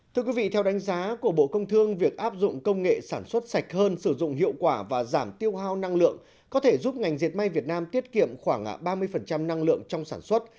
thưa quý vị theo đánh giá của bộ công thương việc áp dụng công nghệ sản xuất sạch hơn sử dụng hiệu quả và giảm tiêu hao năng lượng có thể giúp ngành diệt may việt nam tiết kiệm khoảng ba mươi năng lượng trong sản xuất